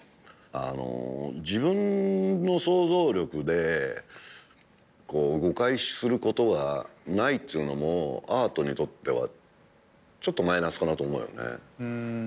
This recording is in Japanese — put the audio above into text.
自分の想像力で誤解することがないっつうのもアートにとってはちょっとマイナスかなと思うよね。